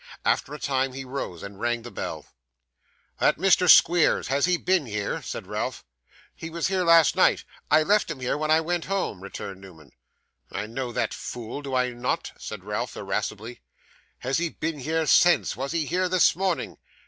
After a time he rose and rang the bell. 'That Mr. Squeers; has he been here?' said Ralph. 'He was here last night. I left him here when I went home,' returned Newman. 'I know that, fool, do I not?' said Ralph, irascibly. 'Has he been here since? Was he here this morning?